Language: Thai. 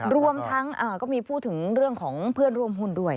รวมทั้งก็มีพูดถึงเรื่องของเพื่อนร่วมหุ้นด้วย